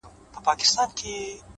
هره هڅه د اعتماد کچه لوړوي؛